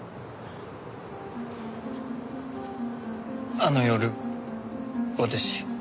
あの夜私